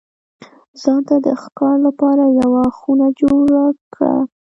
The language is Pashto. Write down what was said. ځان ته د ښکار لپاره یوه خونه جوړه کړه.